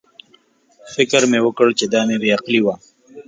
فکر مې وکړ چې دا مې بې عقلي وه.